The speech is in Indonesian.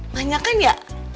banyak kan ya